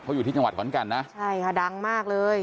เขาอยู่ที่จังหวัดขอนแก่นนะใช่ค่ะดังมากเลย